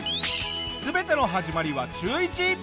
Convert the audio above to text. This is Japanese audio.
全ての始まりは中１。